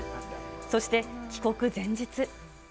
そして帰国前日。